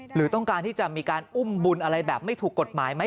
หรือต้องการที่จะมีการอุ้มบุญอะไรแบบไม่ถูกกฎหมายไหม